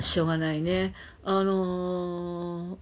あの。